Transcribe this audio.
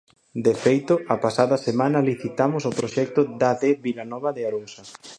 De feito, a pasada semana licitamos o proxecto da de Vilanova de Arousa.